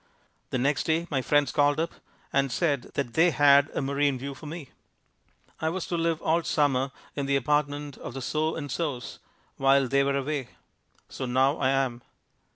The next day my friends called up and said that they had a marine view for me. I was to live all summer in the apartment of the So and Sos while they were away. So now I am.